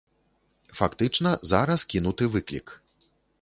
Фактычна зараз кінуты выклік.